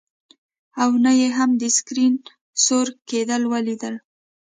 او نه یې هم د سکرین سور کیدل ولیدل